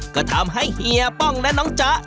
ก็ทำให้เฮียป้องและน้องจ๊ะ